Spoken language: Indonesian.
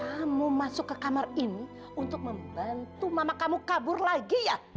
kamu masuk ke kamar ini untuk membantu mama kamu kabur lagi ya